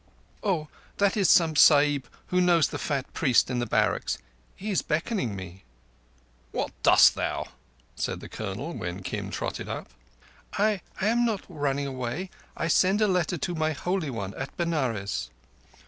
"Oh, that is some Sahib who knows the fat priest in the barracks. He is beckoning me." "What dost thou?" said the Colonel, when Kim trotted up. "I—I am not running away. I send a letter to my Holy One at Benares."